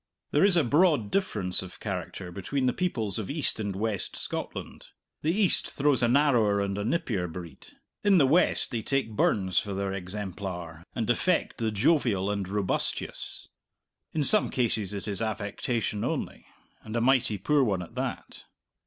There is a broad difference of character between the peoples of East and West Scotland. The East throws a narrower and a nippier breed. In the West they take Burns for their exemplar, and affect the jovial and robustious in some cases it is affectation only, and a mighty poor one at that.